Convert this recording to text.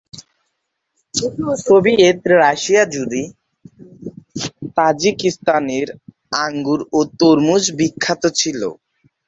Soviet Russia জুড়ে তাজিকিস্তানের আঙ্গুর ও তরমুজ বিখ্যাত ছিল।